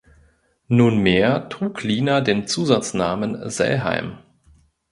Nunmehr trug Lina den Zusatznamen Sellheim.